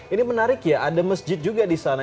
ini menarik ya ada masjid juga di sana